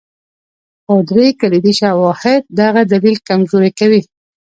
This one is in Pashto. خو درې کلیدي شواهد دغه دلیل کمزوری کوي.